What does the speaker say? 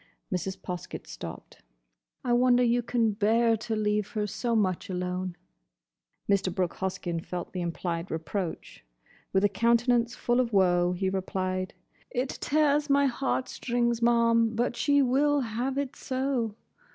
Mrs. Poskett stopped. "I wonder you can bear to leave her so much alone." Mr. Brooke Hoskyn felt the implied reproach. With a countenance full of woe, he replied, "It tears my heart strings, ma'am; but she will have it so.